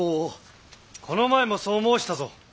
この前もそう申したぞ。